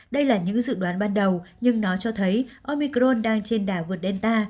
đây là những dự đoán ban đầu nhưng nó cho thấy omicron đang trên đà vượt delta